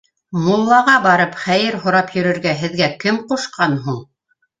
Муллаға барып хәйер һорап йөрөргә һеҙгә кем ҡушҡан һуң?